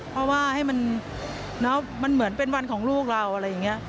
เพราะว่าให้มันเหมือนเป็นวันของลูกเราอะไรอย่างนี้